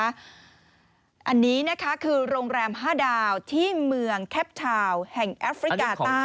อันนี้นะคะคือโรงแรม๕ดาวที่เมืองแคปชาวแห่งแอฟริกาใต้